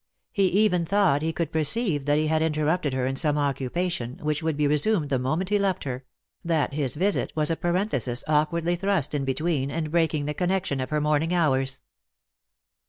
He even thought he could perceive that he had interrupted her in some occupation, which would be resumed the moment he left her ; that his visit was a parenthesis awkwardly thrust in between, and breaking the connection of her morning hours.